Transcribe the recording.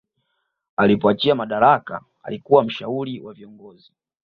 alipoachia madaraka alikuwa mshauri wa viongozi